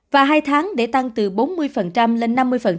và hai tháng để tăng từ bốn mươi lên năm mươi